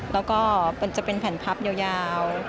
แล้วก็มันจะเป็นแผ่นพับยาว